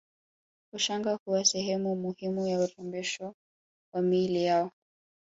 Ushanga huwa sehemu muhimu ya urembesho wa miili yao